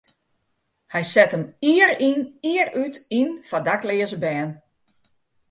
Hy set him jier yn jier út yn foar dakleaze bern.